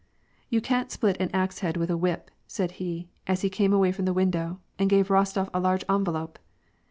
''You can't split an axe head with a whip/' said he, as he came away from the window, and gave Rostof a large envelope.